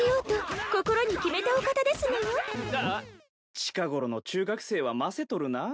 近頃の中学生はませとるなぁ。